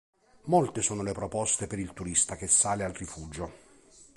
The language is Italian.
Molte sono le proposte per il turista che sale al rifugio.